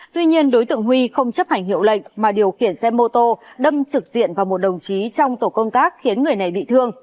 tuy nhiên đối tượng huy không chấp hành hiệu lệnh mà điều khiển xe mô tô đâm trực diện vào một đồng chí trong tổ công tác khiến người này bị thương